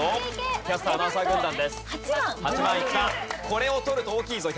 これを取ると大きいぞ。